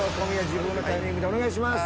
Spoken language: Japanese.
自分のタイミングでお願いします。